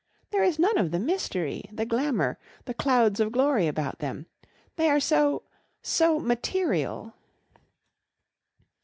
There is none of the mystery, the glamour, the 'clouds of glory' about them. They are so so material."